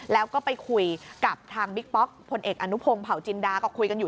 แล้วก็ไปคุยกับทางบิ๊กป๊อกพลเอกอนุพงศ์เผาจินดาก็คุยกันอยู่